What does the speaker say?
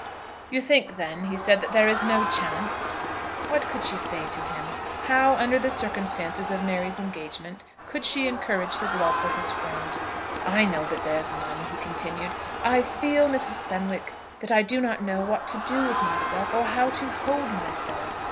"You think, then," he said, "that there is no chance?" What could she say to him? How, under the circumstances of Mary's engagement, could she encourage his love for her friend? "I know that there is none," he continued. "I feel, Mrs. Fenwick, that I do not know what to do with myself or how to hold myself.